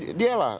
ya dia lah